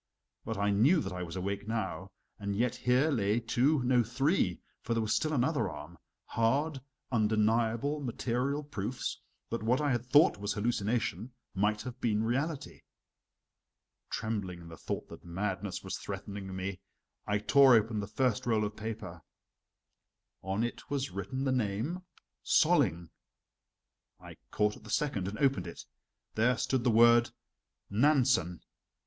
But I knew that I was awake now, and yet here lay two no, three (for there was still another arm) hard, undeniable, material proofs that what I had thought was hallucination, might have been reality. Trembling in the thought that madness was threatening me, I tore open the first roll of paper. On it was written the name: "Solling." I caught at the second and opened it. There stood the word: "Nansen."